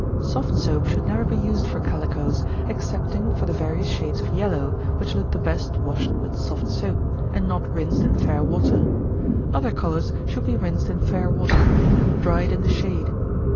Soft soap should never be used for calicoes, excepting for the various shades of yellow, which look the best washed with soft soap, and not rinsed in fair water. Other colors should be rinsed in fair water, and dried in the shade.